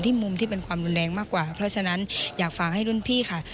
มุมที่เป็นความรุนแรงมากกว่าเพราะฉะนั้นอยากฝากให้รุ่นพี่ค่ะ